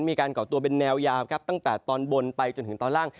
ก่อตัวเป็นแนวยาวครับตั้งแต่ตอนบนไปจนถึงตอนล่าง